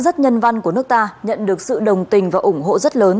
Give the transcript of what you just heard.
rất nhân văn của nước ta nhận được sự đồng tình và ủng hộ rất lớn